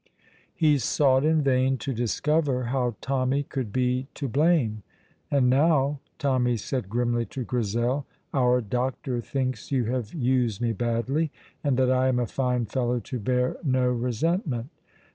He sought in vain to discover how Tommy could be to blame. "And now," Tommy said grimly to Grizel, "our doctor thinks you have used me badly, and that I am a fine fellow to bear no resentment!